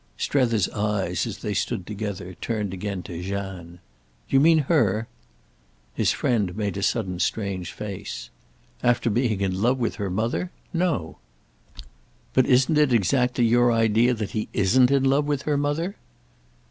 Strether's eyes, as they stood together, turned again to Jeanne. "Do you mean her?" His friend made a sudden strange face. "After being in love with her mother? No." "But isn't it exactly your idea that he isn't in love with her mother?"